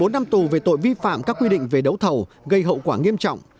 bốn năm tù về tội vi phạm các quy định về đấu thầu gây hậu quả nghiêm trọng